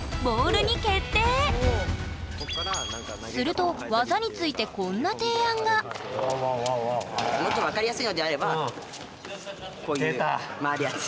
すると技についてこんな提案がもっと分かりやすいのであればこういう回るやつ。